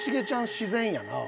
自然やなぁ。